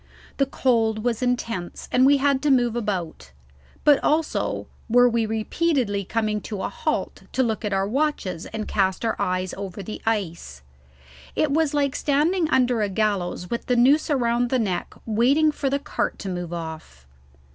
The cold was intense, and we had to move about; but also were we repeatedly coming to a halt to look at our watches and cast our eyes over the ice. It was like standing under a gallows with the noose around the neck waiting for the cart to move off.